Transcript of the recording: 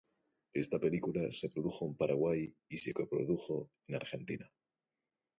Esta película se produjo en Paraguay y se coprodujo con Argentina.